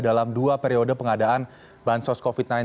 dalam dua periode pengadaan bansos covid sembilan belas